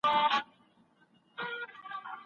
څوک د دې حق څخه ګټه پورته کوي؟